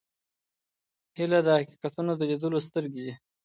هیله د حقیقتونو د لیدلو سترګې دي.